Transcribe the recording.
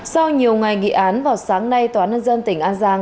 sau nhiều ngày nghị án vào sáng nay tòa nhân dân tỉnh an giang